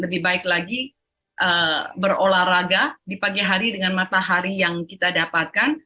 lebih baik lagi berolahraga di pagi hari dengan matahari yang kita dapatkan